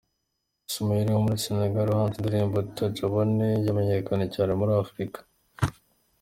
Ismael wo muri Senegal wahanze indirimbo ’Tajabone’ yamenyekanye cyane muri Afurika